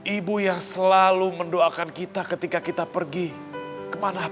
ibu yang selalu mendoakan kita ketika kita pergi kemanapun